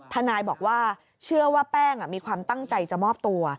ทนายบอกว่าเชื่อว่าแป้งมีความตั้งใจจะมอบตัว